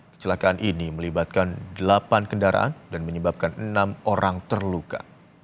kecelakaan ini melibatkan delapan kendaraan dan menyebabkan enam orang terluka